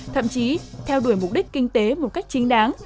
thậm chí theo đuổi mục đích kinh tế một cách chính đáng